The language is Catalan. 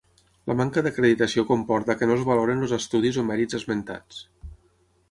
La manca d'acreditació comporta que no es valorin els estudis o mèrits esmentats.